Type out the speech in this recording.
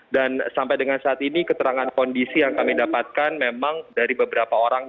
dan sampai dengan saat ini keterangan kondisi yang kami dapatkan memang dari beberapa orang